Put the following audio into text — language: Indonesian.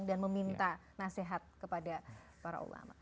dan meminta nasihat kepada para ulama